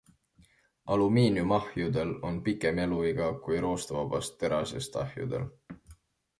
Alumiiniumahjudel on pikem eluiga kui roostevabast terasest ahjudel.